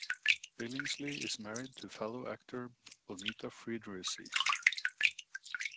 Billingsley is married to fellow actor Bonita Friedericy.